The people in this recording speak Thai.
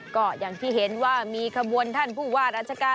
ก็อย่างที่เห็นว่ามีขบวนท่านผู้ว่าราชการ